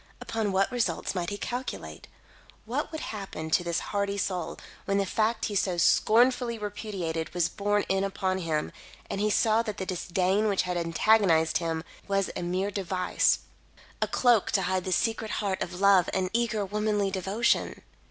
Upon what result might he calculate? What would happen to this hardy soul, when the fact he so scornfully repudiated, was borne in upon him, and he saw that the disdain which had antagonised him was a mere device a cloak to hide the secret heart of love and eager womanly devotion?